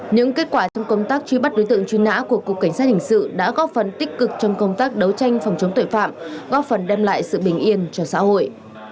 những kết quả trong công tác truy bắt đối tượng truy nã của cục cảnh sát hình sự đã góp phần tích cực trong công tác đấu tranh phòng chống tội phạm góp phần đem lại sự bình yên cho xã hội